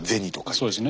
そうですね。